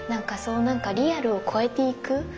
何かリアルを超えていく。